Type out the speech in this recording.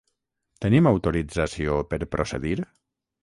Tenim autorització per procedir?